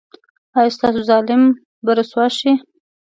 ایا ستاسو ظالم به رسوا شي؟